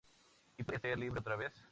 Y puede ser libre otra vez.